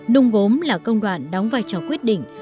nung gốm là công đoạn đóng vai trò quyết định